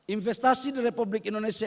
investasi di republik indonesia